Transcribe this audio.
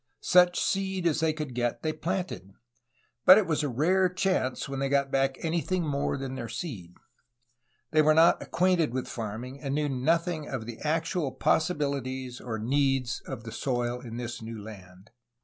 Such seed as they could get, they planted, but it was a rare chance when they got back anything more than their seed. They were not ac quainted with farming, and knew nothing of the actual possibiUties or needs of the soil in this new land.